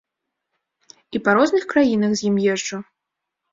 І па розных краінах з ім езджу.